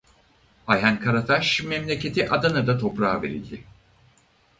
Ayhan Karataş memleketi Adana'da toprağa verildi.